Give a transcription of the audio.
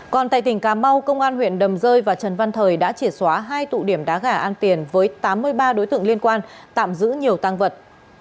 còn tại tỉnh cà mau công an huyện đầm rơi và trần văn thời đã triệt xóa hai tụ điểm đá gà an tiền với tám mươi ba đối tượng liên quan tạm giữ nhiều tăng vật